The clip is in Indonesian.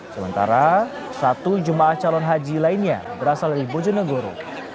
sementara satu jemaah calon haji lainnya berasal dari bojonegoro